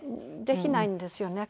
できないんですよね